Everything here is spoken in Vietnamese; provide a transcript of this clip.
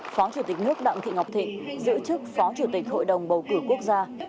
phó chủ tịch nước đặng thị ngọc thịnh giữ chức phó chủ tịch hội đồng bầu cử quốc gia